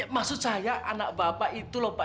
maksud saya anak bapak itu loh pak